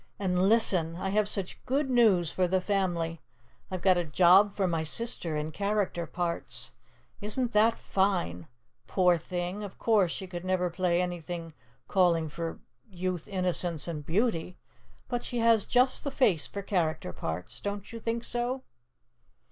"And listen. I have such good news for the family. I've got a job for my sister in character parts. Isn't that fine! Poor thing! Of course she never could play anything calling for Youth, Innocence and Beauty, but she has just the face for character parts. Don't you think so?"